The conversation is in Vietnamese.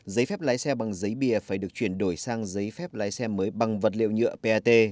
giấy phép lái xe bằng giấy bìa phải được chuyển đổi sang giấy phép lái xe mới bằng vật liệu nhựa pat